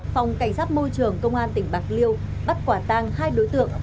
phòng cảnh sát môi trường công an tỉnh bạc liêu bắt quả tang hai đối tượng